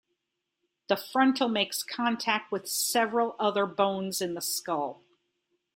The frontal makes contact with several other bones in the skull.